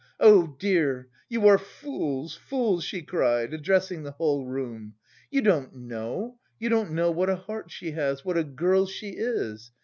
Oh dear! You are fools, fools," she cried, addressing the whole room, "you don't know, you don't know what a heart she has, what a girl she is!